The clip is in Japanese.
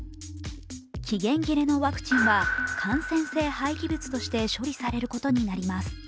期限切れのワクチンは感染性廃棄物として処理されることになります。